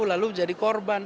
lalu jadi korban